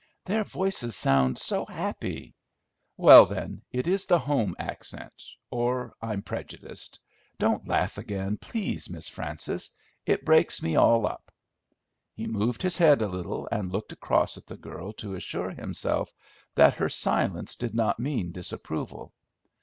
Their voices sound so happy" "Well, then it is the home accent, or I'm prejudiced. Don't laugh again, please, Miss Frances; it breaks me all up." He moved his head a little, and looked across at the girl to assure himself that her silence did not mean disapproval.